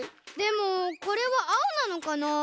でもこれはあおなのかな？